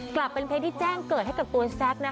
กลับเป็นเพลงที่แจ้งเกิดให้กับตัวแซค